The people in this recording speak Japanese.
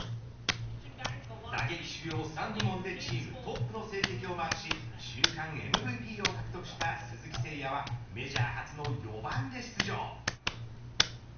打撃主要３部門でシーズントップの成績をマークし週間ＭＶＰを獲得した鈴木誠也はメジャー初の４番で出場。